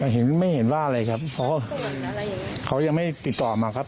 อันนี้เห็นด้วยไม่เห็นบ้างเลยเพราะก็เขายังไม่ติดต่อมาครับ